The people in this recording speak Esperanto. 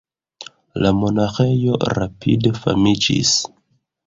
La monaĥejo rapide famiĝis.